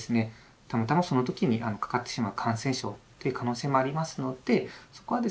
たまたまその時にかかってしまう感染症という可能性もありますのでそこはですね